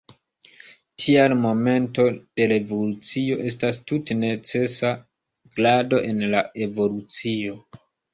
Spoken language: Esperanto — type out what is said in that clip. Tial momento de revolucio estas tute necesa grado en la evolucio.